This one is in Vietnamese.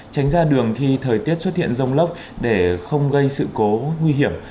tránh ra đường khi thời tiết xuất hiện rông lốc để không gây sự cố nguy hiểm